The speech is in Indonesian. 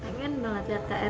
pengen banget lihat kak ia terus